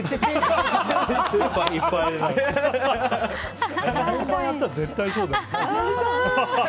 あれやったら絶対そうだよね。